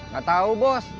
gak tau bos